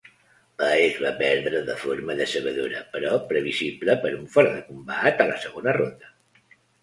Paez va perdre de forma decebedora però previsible per un fora de combat a la segona ronda.